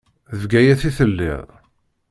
Deg Bgayet i telliḍ.